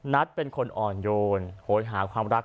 นัทเป็นคนอ่อนโยนโหยหาความรัก